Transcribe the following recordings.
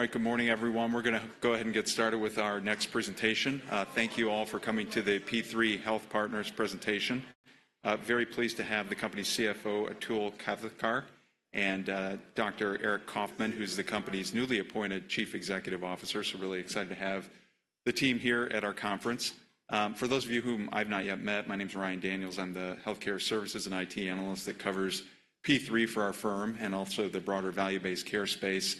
All right, good morning, everyone. We're going to go ahead and get started with our next presentation. Thank you all for coming to the P3 Health Partners Presentation. Very pleased to have the company's CFO, Atul Kavthekar, and Dr. Aric Coffman, who's the company's newly appointed Chief Executive Officer. So really excited to have the team here at our conference. For those of you whom I've not yet met, my name's Ryan Daniels. I'm the healthcare services and IT analyst that covers P3 for our firm and also the broader value-based care space.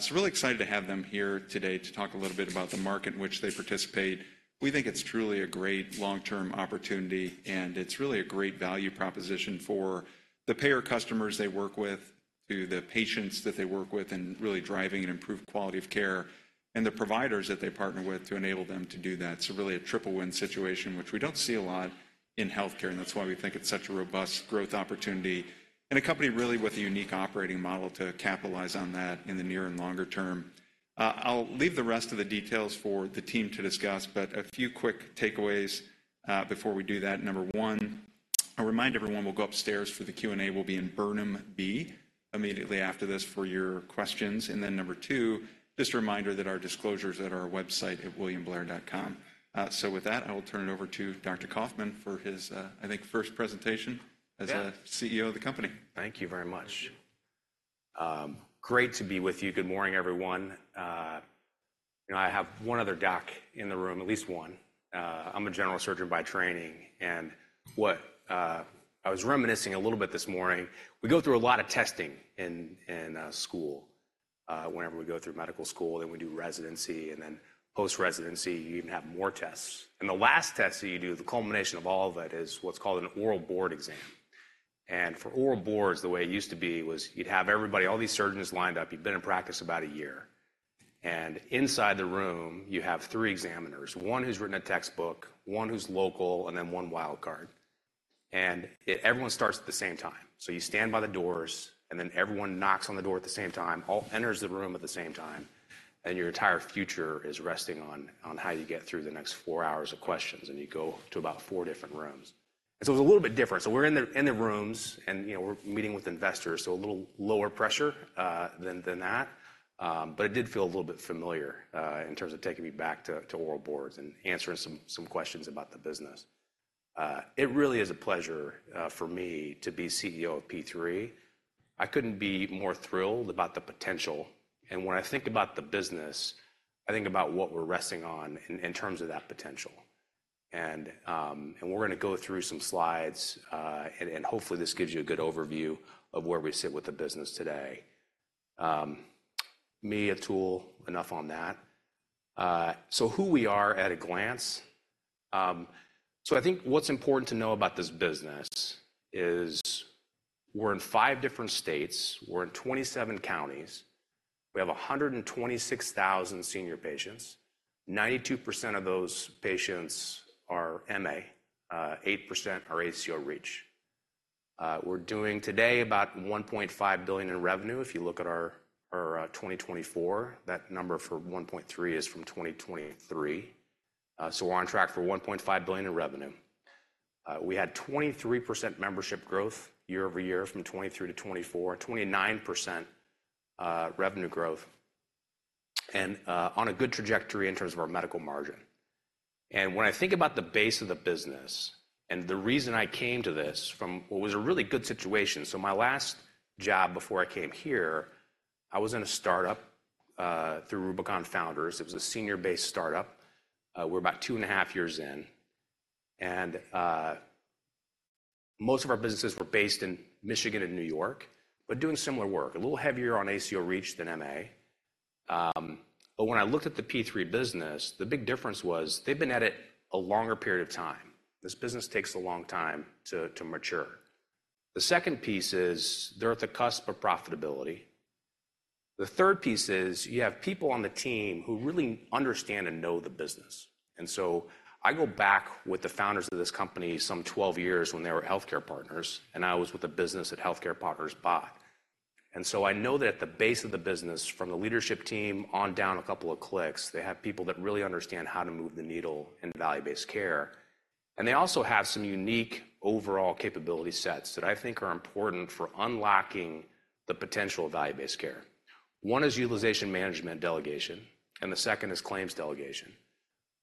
So really excited to have them here today to talk a little bit about the market in which they participate. We think it's truly a great long-term opportunity, and it's really a great value proposition for the payer customers they work with, to the patients that they work with, and really driving an improved quality of care, and the providers that they partner with to enable them to do that. So really a triple-win situation, which we don't see a lot in healthcare, and that's why we think it's such a robust growth opportunity and a company really with a unique operating model to capitalize on that in the near and longer term. I'll leave the rest of the details for the team to discuss, but a few quick takeaways, before we do that. Number one, I'll remind everyone we'll go upstairs for the Q&A. We'll be in Burnham B immediately after this for your questions. And then number two, just a reminder that our disclosure's at our website at williamblair.com. So with that, I will turn it over to Dr. Coffman for his, I think, first presentation. Yeah As a CEO of the company. Thank you very much. Great to be with you. Good morning, everyone. You know, I have one other doc in the room, at least one. I'm a general surgeon by training, and I was reminiscing a little bit this morning. We go through a lot of testing in school, whenever we go through medical school, then we do residency, and then post-residency, you even have more tests. And the last test that you do, the culmination of all of it, is what's called an oral board exam. And for oral boards, the way it used to be was you'd have everybody, all these surgeons, lined up. You've been in practice about a year, and inside the room, you have three examiners: one who's written a textbook, one who's local, and then one wild card. And everyone starts at the same time. So you stand by the doors, and then everyone knocks on the door at the same time, all enters the room at the same time, and your entire future is resting on how you get through the next four hours of questions, and you go to about four different rooms. So it's a little bit different. We're in the rooms, and you know, we're meeting with investors, so a little lower pressure than that. But it did feel a little bit familiar in terms of taking me back to oral boards and answering some questions about the business. It really is a pleasure for me to be CEO of P3. I couldn't be more thrilled about the potential, and when I think about the business, I think about what we're resting on in terms of that potential. And we're gonna go through some slides, and hopefully, this gives you a good overview of where we sit with the business today. Me, Atul, enough on that. So who we are at a glance? So I think what's important to know about this business is we're in five different states. We're in 27 counties. We have 126,000 senior patients. 92% of those patients are MA, 8% are ACO REACH. We're doing today about $1.5 billion in revenue. If you look at our 2024, that number for $1.3 billion is from 2023. So we're on track for $1.5 billion in revenue. We had 23% membership growth year-over-year from 2023 to 2024, and 29% revenue growth, and on a good trajectory in terms of our medical margin. And when I think about the base of the business and the reason I came to this from what was a really good situation. So my last job before I came here, I was in a startup through Rubicon Founders. It was a senior-based startup. We're about two and a half years in, and most of our businesses were based in Michigan and New York, but doing similar work, a little heavier on ACO REACH than MA. But when I looked at the P3 business, the big difference was they've been at it a longer period of time. This business takes a long time to mature. The second piece is they're at the cusp of profitability. The third piece is you have people on the team who really understand and know the business. And so I go back with the founders of this company some 12 years when they were HealthCare Partners, and I was with the business that HealthCare Partners bought. And so I know that at the base of the business, from the leadership team on down a couple of clicks, they have people that really understand how to move the needle in value-based care. And they also have some unique overall capability sets that I think are important for unlocking the potential of value-based care. One is utilization management delegation, and the second is claims delegation.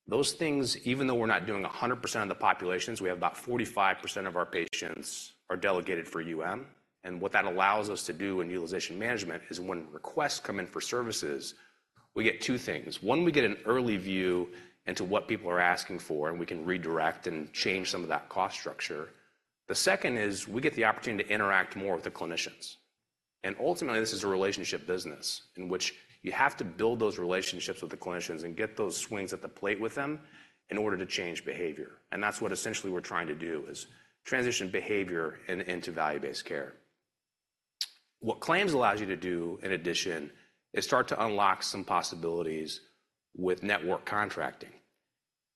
Those things, even though we're not doing 100% of the populations, we have about 45% of our patients are delegated for UM, and what that allows us to do in utilization management is when requests come in for services, we get two things. One, we get an early view into what people are asking for, and we can redirect and change some of that cost structure. The second is we get the opportunity to interact more with the clinicians, and ultimately, this is a relationship business in which you have to build those relationships with the clinicians and get those swings at the plate with them in order to change behavior. And that's what essentially we're trying to do, is transition behavior into value-based care. What claims allows you to do, in addition, is start to unlock some possibilities with network contracting,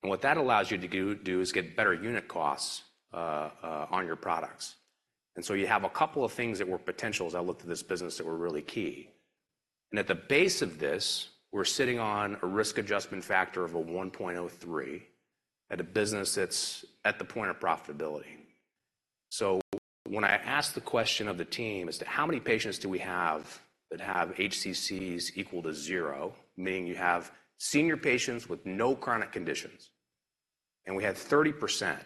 and what that allows you to do is get better unit costs on your products. And so you have a couple of things that were potentials as I looked at this business that were really key. And at the base of this, we're sitting on a risk adjustment factor of a 1.03 at a business that's at the point of profitability. So when I asked the question of the team as to how many patients do we have that have HCCs equal to zero, meaning you have senior patients with no chronic conditions, and we had 30%,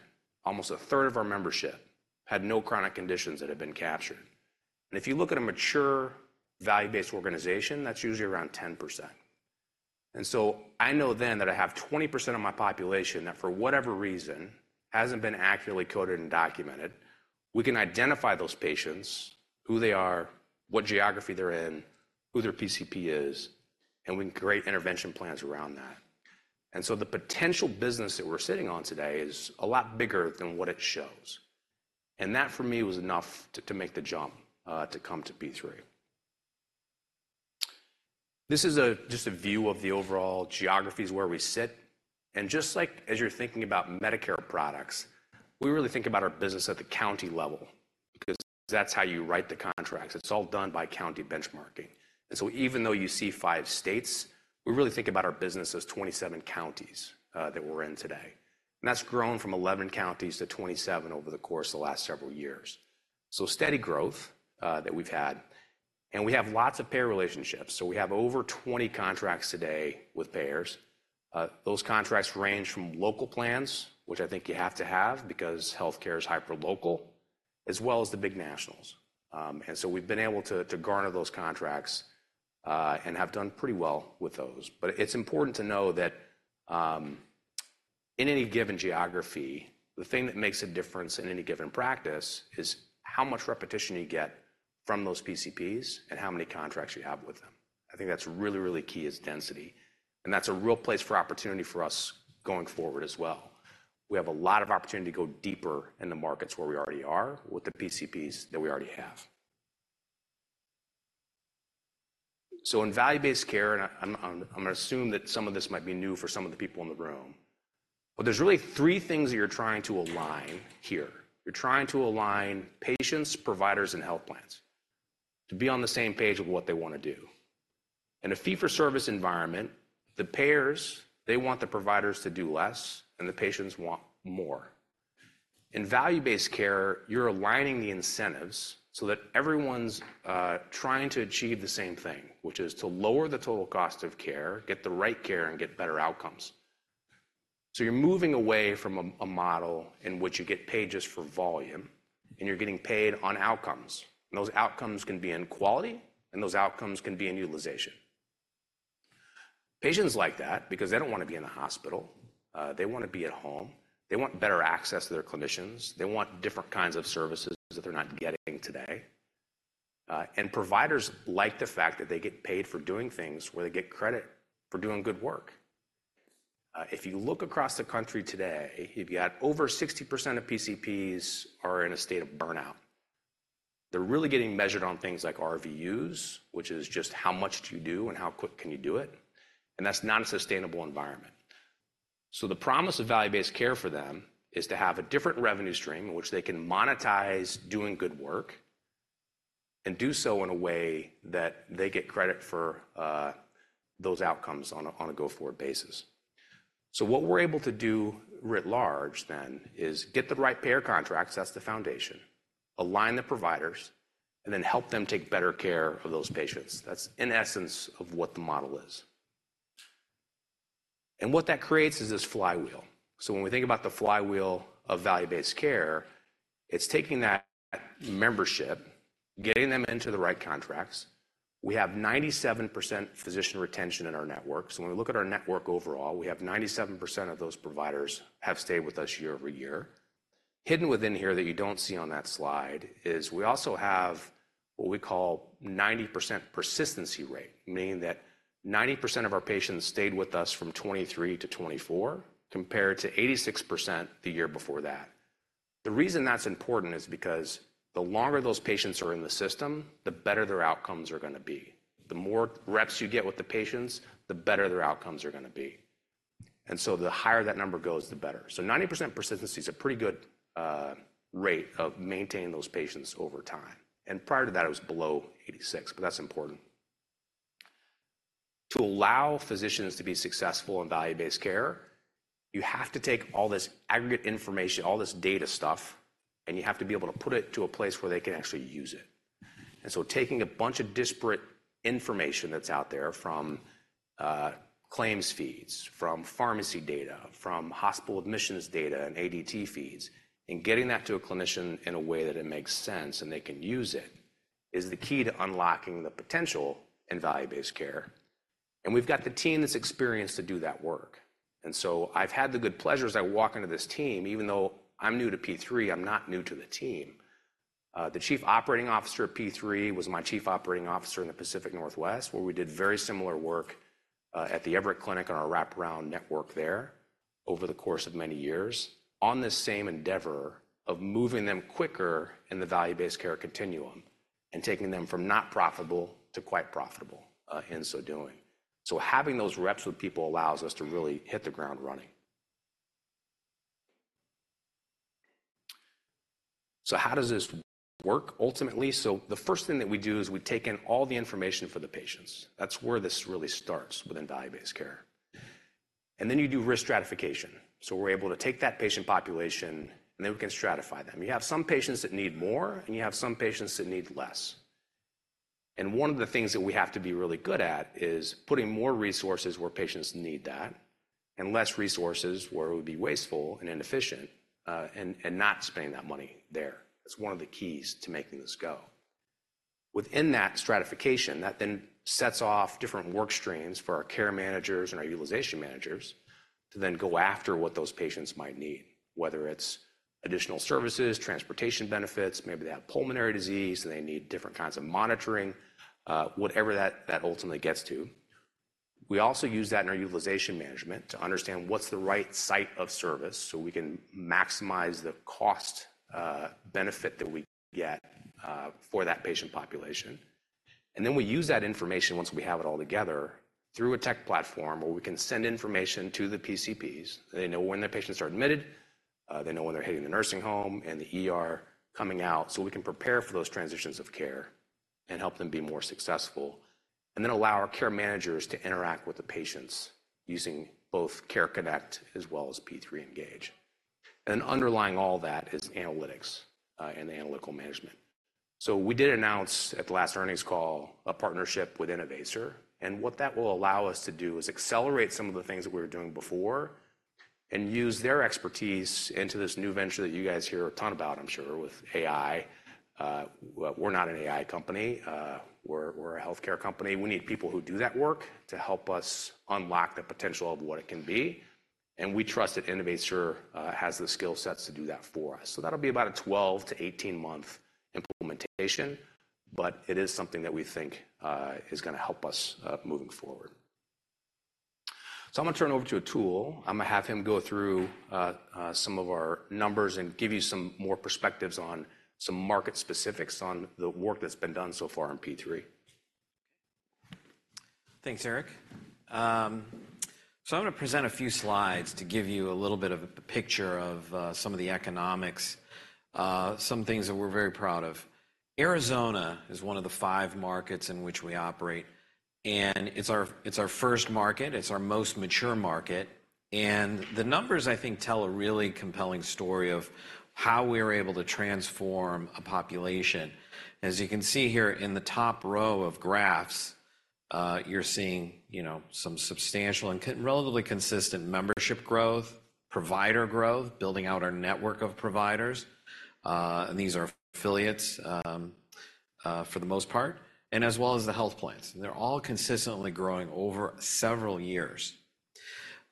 almost a third of our membership, had no chronic conditions that had been captured. And if you look at a mature value-based organization, that's usually around 10%. And so I know then that I have 20% of my population that, for whatever reason, hasn't been accurately coded and documented. We can identify those patients, who they are, what geography they're in, who their PCP is, and we can create intervention plans around that. And so the potential business that we're sitting on today is a lot bigger than what it shows. And that, for me, was enough to make the jump to come to P3. This is just a view of the overall geographies where we sit, and just like as you're thinking about Medicare products, we really think about our business at the county level, because that's how you write the contracts. It's all done by county benchmarking. And so even though you see five states, we really think about our business as 27 counties that we're in today. That's grown from 11 counties to 27 over the course of the last several years. Steady growth that we've had, and we have lots of payer relationships. We have over 20 contracts today with payers. Those contracts range from local plans, which I think you have to have because healthcare is hyperlocal, as well as the big nationals. We've been able to garner those contracts and have done pretty well with those. But it's important to know that, in any given geography, the thing that makes a difference in any given practice is how much repetition you get from those PCPs and how many contracts you have with them. I think that's really, really key, is density, and that's a real place for opportunity for us going forward as well. We have a lot of opportunity to go deeper in the markets where we already are with the PCPs that we already have. So in value-based care, and I, I'm going to assume that some of this might be new for some of the people in the room, but there's really three things that you're trying to align here. You're trying to align patients, providers, and health plans to be on the same page with what they want to do. In a fee-for-service environment, the payers, they want the providers to do less, and the patients want more. In value-based care, you're aligning the incentives so that everyone's trying to achieve the same thing, which is to lower the total cost of care, get the right care, and get better outcomes. So you're moving away from a model in which you get paid just for volume, and you're getting paid on outcomes, and those outcomes can be in quality, and those outcomes can be in utilization. Patients like that because they don't want to be in the hospital. They want to be at home. They want better access to their clinicians. They want different kinds of services that they're not getting today. And providers like the fact that they get paid for doing things where they get credit for doing good work. If you look across the country today, you've got over 60% of PCPs are in a state of burnout. They're really getting measured on things like RVUs, which is just how much do you do and how quick can you do it, and that's not a sustainable environment. So the promise of value-based care for them is to have a different revenue stream in which they can monetize doing good work and do so in a way that they get credit for those outcomes on a go-forward basis. So what we're able to do writ large then is get the right payer contracts, that's the foundation, align the providers, and then help them take better care of those patients. That's in essence of what the model is. And what that creates is this flywheel. So when we think about the flywheel of value-based care, it's taking that membership, getting them into the right contracts. We have 97% physician retention in our network, so when we look at our network overall, we have 97% of those providers have stayed with us year-over-year. Hidden within here that you don't see on that slide is we also have what we call 90% persistency rate, meaning that 90% of our patients stayed with us from 2023 to 2024, compared to 86% the year before that. The reason that's important is because the longer those patients are in the system, the better their outcomes are gonna be. The more reps you get with the patients, the better their outcomes are gonna be. And so the higher that number goes, the better. So 90% persistency is a pretty good rate of maintaining those patients over time, and prior to that, it was below 86, but that's important. To allow physicians to be successful in value-based care, you have to take all this aggregate information, all this data stuff, and you have to be able to put it to a place where they can actually use it. And so taking a bunch of disparate information that's out there from claims feeds, from pharmacy data, from hospital admissions data, and ADT feeds, and getting that to a clinician in a way that it makes sense and they can use it, is the key to unlocking the potential in value-based care. And we've got the team that's experienced to do that work. And so I've had the good pleasure as I walk into this team, even though I'm new to P3, I'm not new to the team. The chief operating officer at P3 was my chief operating officer in the Pacific Northwest, where we did very similar work, at The Everett Clinic on our wraparound network there over the course of many years, on this same endeavor of moving them quicker in the value-based care continuum and taking them from not profitable to quite profitable, in so doing. So having those reps with people allows us to really hit the ground running. So how does this work ultimately? So the first thing that we do is we take in all the information for the patients. That's where this really starts within value-based care.... And then you do risk stratification. So we're able to take that patient population, and then we can stratify them. You have some patients that need more, and you have some patients that need less. One of the things that we have to be really good at is putting more resources where patients need that and less resources where it would be wasteful and inefficient, and not spending that money there. That's one of the keys to making this go. Within that stratification, that then sets off different work streams for our care managers and our utilization managers to then go after what those patients might need, whether it's additional services, transportation benefits, maybe they have pulmonary disease, and they need different kinds of monitoring, whatever that ultimately gets to. We also use that in our utilization management to understand what's the right site of service so we can maximize the cost benefit that we get for that patient population. And then we use that information once we have it all together through a tech platform where we can send information to the PCPs. They know when their patients are admitted, they know when they're hitting the nursing home and the ER, coming out, so we can prepare for those transitions of care and help them be more successful. And then allow our care managers to interact with the patients using both Care Connect as well as P3 Engage. And underlying all that is analytics, and analytical management. So we did announce at the last earnings call a partnership with Innovaccer, and what that will allow us to do is accelerate some of the things that we were doing before and use their expertise into this new venture that you guys hear a ton about, I'm sure, with AI. We're not an AI company. We're a healthcare company. We need people who do that work to help us unlock the potential of what it can be, and we trust that Innovaccer has the skill sets to do that for us. So that'll be about a 12-18-month implementation, but it is something that we think is gonna help us moving forward. So I'm gonna turn it over to Atul. I'm gonna have him go through some of our numbers and give you some more perspectives on some market specifics on the work that's been done so far in P3. Thanks, Aric. So I'm going to present a few slides to give you a little bit of a picture of some of the economics, some things that we're very proud of. Arizona is one of the five markets in which we operate, and it's our, it's our first market, it's our most mature market, and the numbers, I think, tell a really compelling story of how we're able to transform a population. As you can see here in the top row of graphs, you're seeing, you know, some substantial and relatively consistent membership growth, provider growth, building out our network of providers, and these are affiliates, for the most part, and as well as the health plans. They're all consistently growing over several years.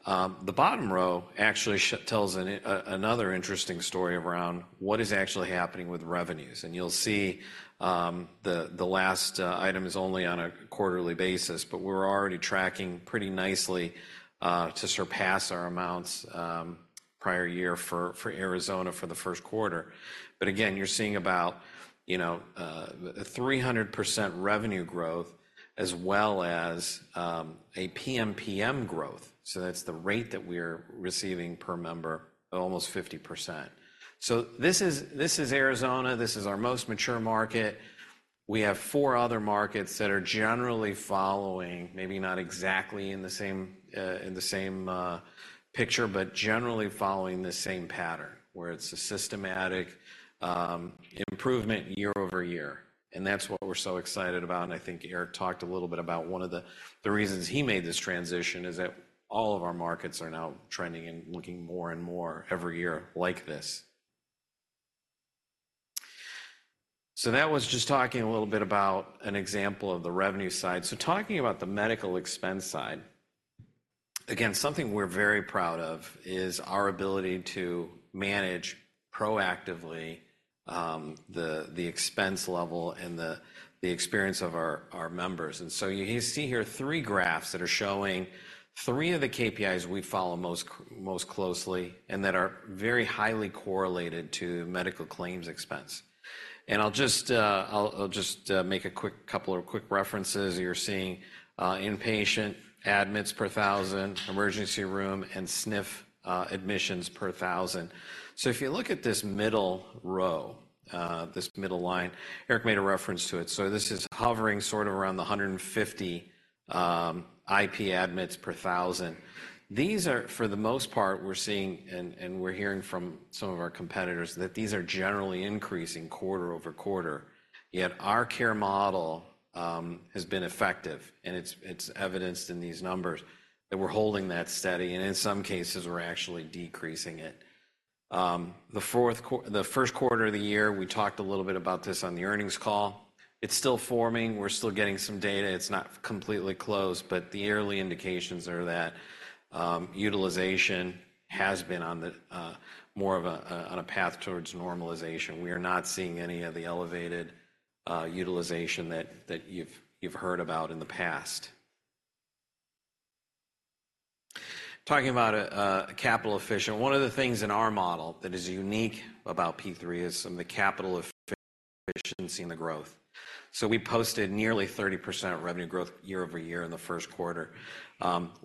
The bottom row actually tells another interesting story around what is actually happening with revenues, and you'll see, the last item is only on a quarterly basis, but we're already tracking pretty nicely to surpass our amounts prior year for Arizona for the first quarter. But again, you're seeing about, you know, a 300% revenue growth as well as a PMPM growth, so that's the rate that we're receiving per member, almost 50%. So this is, this is Arizona. This is our most mature market. We have four other markets that are generally following, maybe not exactly in the same in the same picture, but generally following the same pattern, where it's a systematic improvement year-over-year. And that's what we're so excited about, and I think Aric talked a little bit about one of the reasons he made this transition is that all of our markets are now trending and looking more and more every year like this. So that was just talking a little bit about an example of the revenue side. So talking about the medical expense side, again, something we're very proud of is our ability to manage proactively the expense level and the experience of our members. And so you see here three graphs that are showing three of the KPIs we follow most closely and that are very highly correlated to medical claims expense. And I'll just make a quick couple of quick references. You're seeing inpatient admits per thousand, emergency room, and SNF admissions per thousand. So if you look at this middle row, this middle line, Aric made a reference to it. So this is hovering sort of around 150 IP admits per thousand. These are, for the most part, we're seeing and, and we're hearing from some of our competitors, that these are generally increasing quarter-over-quarter. Yet our care model has been effective, and it's, it's evidenced in these numbers that we're holding that steady, and in some cases, we're actually decreasing it. The fourth quar—the first quarter of the year, we talked a little bit about this on the earnings call. It's still forming. We're still getting some data. It's not completely closed, but the early indications are that utilization has been on the more of a path towards normalization. We are not seeing any of the elevated utilization that you've heard about in the past. Talking about capital efficient, one of the things in our model that is unique about P3 is from the capital efficiency and the growth. So we posted nearly 30% revenue growth year-over-year in the first quarter.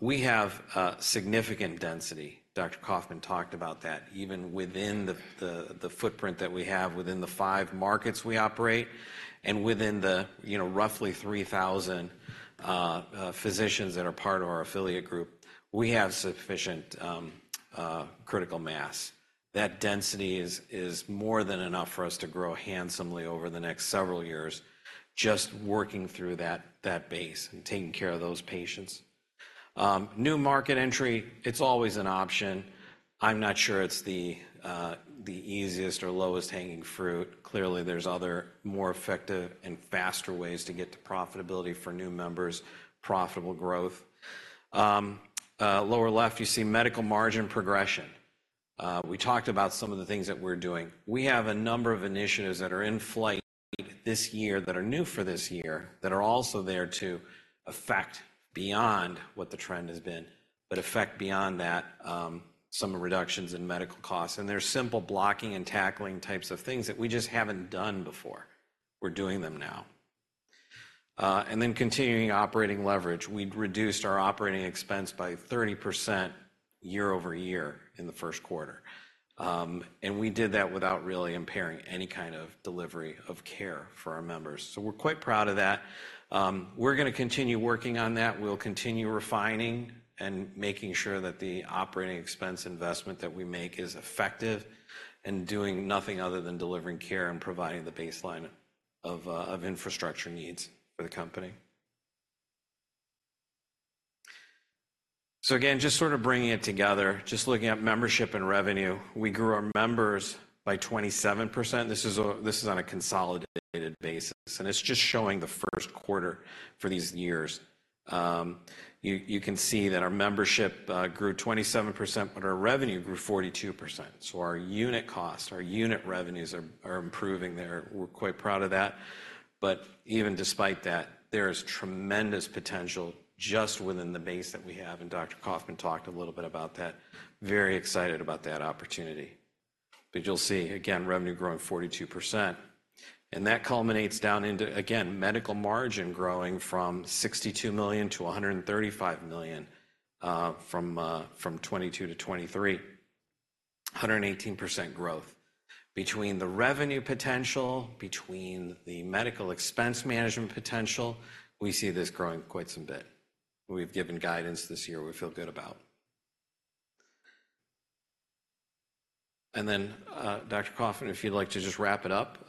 We have significant density. Dr. Coffman talked about that. Even within the footprint that we have, within the five markets we operate and within the, you know, roughly 3,000 physicians that are part of our affiliate group, we have sufficient critical mass. That density is more than enough for us to grow handsomely over the next several years, just working through that base and taking care of those patients. New market entry, it's always an option. I'm not sure it's the easiest or lowest hanging fruit. Clearly, there's other more effective and faster ways to get to profitability for new members, profitable growth. Lower left, you see medical margin progression. We talked about some of the things that we're doing. We have a number of initiatives that are in flight this year, that are new for this year, that are also there to affect beyond what the trend has been, but affect beyond that, some reductions in medical costs. And they're simple blocking and tackling types of things that we just haven't done before. We're doing them now. And then continuing operating leverage. We'd reduced our operating expense by 30% year-over-year in the first quarter. We did that without really impairing any kind of delivery of care for our members. So we're quite proud of that. We're gonna continue working on that. We'll continue refining and making sure that the operating expense investment that we make is effective, and doing nothing other than delivering care and providing the baseline of, of infrastructure needs for the company. So again, just sort of bringing it together, just looking at membership and revenue, we grew our members by 27%. This is on a consolidated basis, and it's just showing the first quarter for these years. You can see that our membership grew 27%, but our revenue grew 42%. So our unit cost, our unit revenues are, are improving there. We're quite proud of that, but even despite that, there is tremendous potential just within the base that we have, and Dr. Coffman talked a little bit about that. Very excited about that opportunity. But you'll see, again, revenue growing 42%, and that culminates down into, again, medical margin growing from $62 million-$135 million from 2022 to 2023. 118% growth. Between the revenue potential, between the medical expense management potential, we see this growing quite some bit. We've given guidance this year we feel good about. And then, Dr. Coffman, if you'd like to just wrap it up.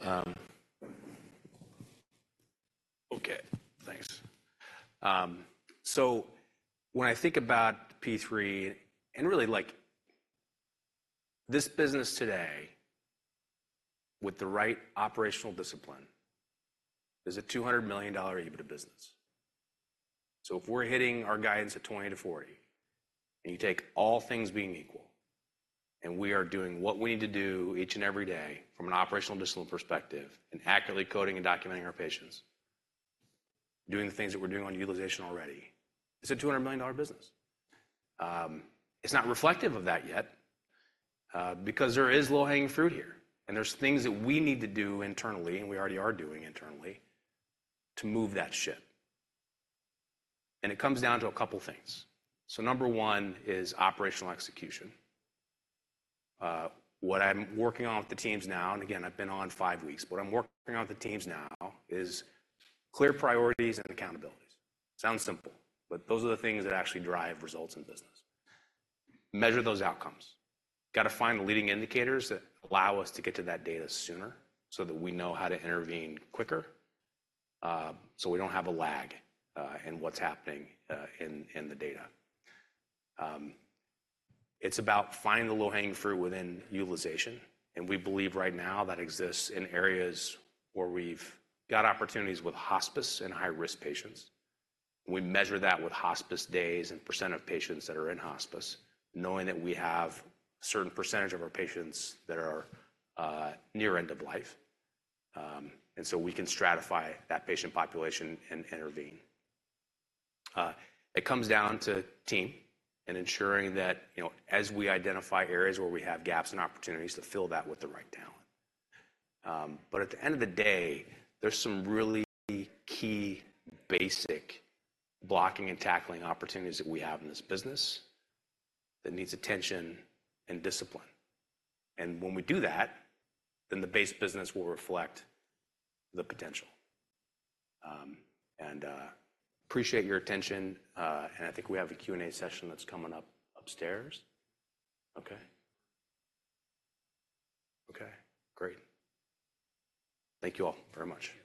Okay, thanks. So when I think about P3, and really, like, this business today, with the right operational discipline, is a $200 million EBITDA business. So if we're hitting our guidance at $20 million-$40 million, and you take all things being equal, and we are doing what we need to do each and every day from an operational discipline perspective, and accurately coding and documenting our patients, doing the things that we're doing on utilization already, it's a $200 million business. It's not reflective of that yet, because there is low-hanging fruit here, and there's things that we need to do internally, and we already are doing internally, to move that ship. And it comes down to a couple things. So number one is operational execution. What I'm working on with the teams now, and again, I've been on five weeks, what I'm working on with the teams now is clear priorities and accountabilities. Sounds simple, but those are the things that actually drive results in business. Measure those outcomes. Gotta find the leading indicators that allow us to get to that data sooner, so that we know how to intervene quicker, so we don't have a lag in what's happening in the data. It's about finding the low-hanging fruit within utilization, and we believe right now that exists in areas where we've got opportunities with hospice and high-risk patients. We measure that with hospice days and % of patients that are in hospice, knowing that we have a certain percentage of our patients that are near end of life. And so we can stratify that patient population and intervene. It comes down to team and ensuring that, you know, as we identify areas where we have gaps and opportunities, to fill that with the right talent. But at the end of the day, there's some really key, basic blocking and tackling opportunities that we have in this business that needs attention and discipline. And when we do that, then the base business will reflect the potential. Appreciate your attention, and I think we have a Q&A session that's coming up upstairs. Okay? Okay, great. Thank you all very much.